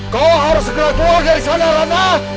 kau harus segera keluar dari sana lana